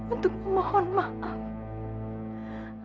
untuk mohon maaf